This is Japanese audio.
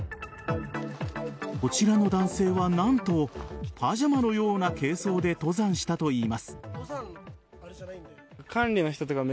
こちらの男性は何とパジャマのような軽装で登山したといいます。